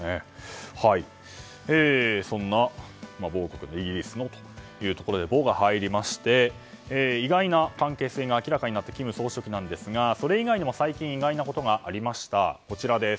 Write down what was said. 某国イギリスというところで「ボ」が入りまして意外な関係性が明らかになった金総書記ですがそれ以外にも最近意外なことがありました。